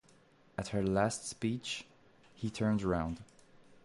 At her last speech he turned round.